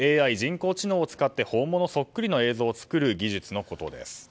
ＡＩ・人工知能を使って本物そっくりの映像を作る技術のことです。